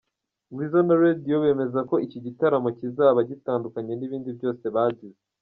Weasel na Radio bemeza ko iki gitaramo kizaba gitandukanye n'ibindi byose bagize.